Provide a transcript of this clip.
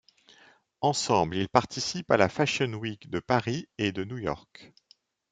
Ensemble ils participent à la fashion week de Paris et de New York.